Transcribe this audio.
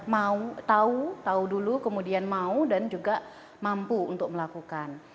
mau tahu tahu dulu kemudian mau dan juga mampu untuk melakukan